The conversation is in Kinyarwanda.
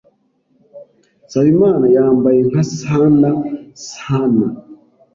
Nsabimana yambaye nka Santa Santa.